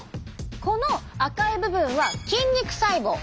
この赤い部分は筋肉細胞。